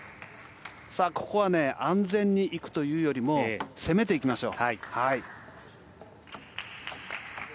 ここは安全にいくというよりも攻めていきましょう。